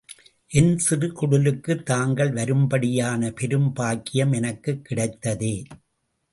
என் சிறு குடிலுக்குத் தாங்கள் வரும்படியான பெரும் பாக்கியம் எனக்குக் கிடைத்ததே!